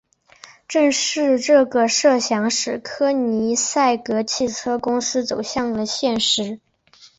正是这个设想使柯尼塞格汽车公司走向了现实。